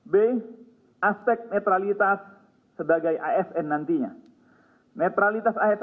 b aspek netralitas sebagai asn nantinya